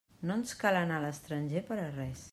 No ens cal anar a l'estranger per a res.